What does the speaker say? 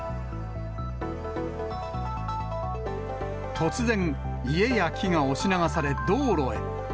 突然、家や木が押し流され、道路へ。